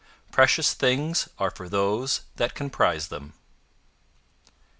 "PRECIOUS THINGS ARE FOR THOSE THAT CAN PRIZE THEM."